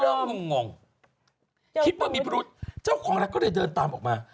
เขาก็เริ่มงงคิดว่ามีพระรุทธิ์เจ้าของแม่นก็เลยเดินตามออกมา